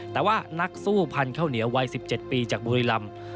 แต่ว่านักสู้พันธุ์ข้าวเหนียววัย๑๗ปีจากบุรีรำ